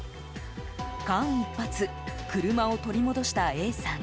間一髪、車を取り戻したＡさん。